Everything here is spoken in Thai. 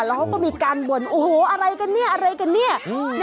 แล้วเขาก็มีการบ่นโอ้โหอะไรกันเนี่ยอะไรกันเนี่ย